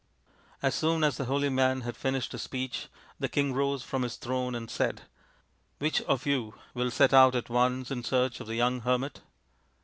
As soon as the holy man had finished his speech the king rose from his throne and said, " Which of you will set out at once in search of the young hermit